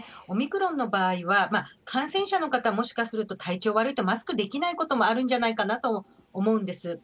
オミクロンの場合は、感染者の方、もしかすると体調悪いとマスクできないこともあるんじゃないかなとも思うんです。